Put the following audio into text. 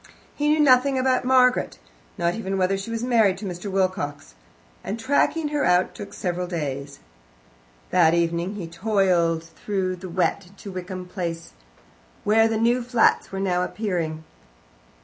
He knew nothing about Margaret, not even whether she was married to Mr. Wilcox, and tracking her out took several days. That evening he toiled through the wet to Wickham Place, where the new flats were now appearing.